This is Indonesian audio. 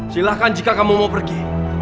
silahkan jika kamu mau pergi